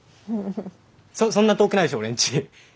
そんな遠くないし俺んち。